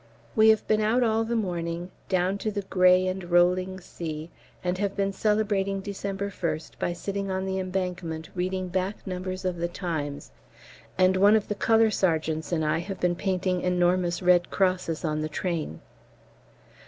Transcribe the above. We have been out all the morning, down to the grey and rolling sea, and have been celebrating December 1st by sitting on the embankment reading back numbers of 'The Times,' and one of the C.S.'s and I have been painting enormous Red Crosses on the train.